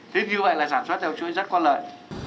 thế như vậy là sản xuất theo chuỗi rất có lợi